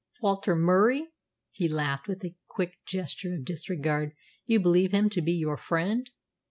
"Walter Murie!" he laughed, with a quick gesture of disregard. "You believe him to be your friend?